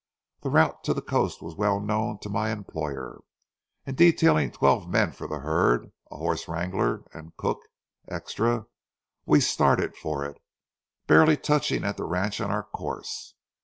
The route to the coast was well known to my employer, and detailing twelve men for the herd, a horse wrangler and cook extra, we started for it, barely touching at the ranch on our course.